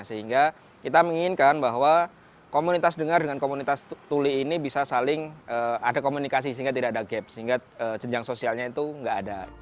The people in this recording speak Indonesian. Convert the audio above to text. sehingga kita menginginkan bahwa komunitas dengar dengan komunitas tuli ini bisa saling ada komunikasi sehingga tidak ada gap sehingga jenjang sosialnya itu nggak ada